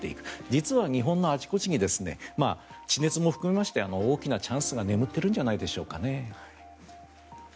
実は日本のあちこちに地熱も含めまして大きなチャンスが眠ってるんじゃないでしょうかね。